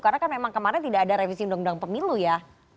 karena kan memang kemarin tidak ada revisi undang undang pemilu ya